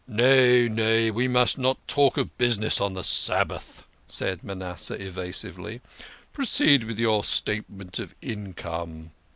" Nay, nay, we must not talk of business on the Sabbath," said Manasseh evasively. " Proceed with your statement of income."